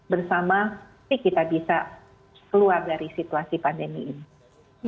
bersama kita bisa keluar dari situasi pandemi ini